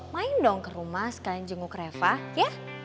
main dong ke rumah sekalian jenguk reva ya